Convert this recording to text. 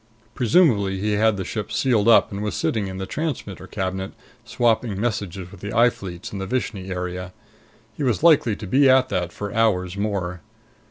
Presumably he had the ship sealed up and was sitting in the transmitter cabinet, swapping messages with the I Fleets in the Vishni area. He was likely to be at that for hours more.